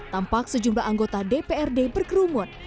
tampak sejumlah anggota dprd berkerumun